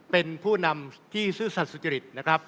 เป็นผู้นำที่ซื่อสรรสุจริต